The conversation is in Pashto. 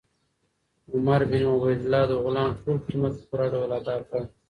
عمر بن عبیدالله د غلام ټول قیمت په پوره ډول ادا کړ.